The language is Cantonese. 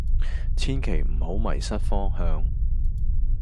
千祈唔好迷失方向